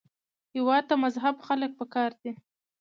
هېواد ته مهذب خلک پکار دي